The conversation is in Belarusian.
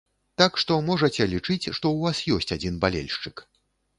Так што, можаце лічыць, што ў вас ёсць адзін балельшчык.